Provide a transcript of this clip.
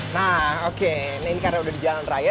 nah oke ini karena udah di jalan raya